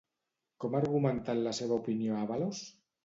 Com ha argumentat la seva opinió Ábalos?